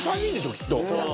きっと。